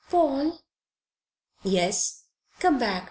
"Paul!" "Yes." "Come back!